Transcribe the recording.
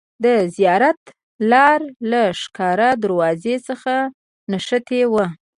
د زیارت لار له ښکار دروازې څخه نښتې وه.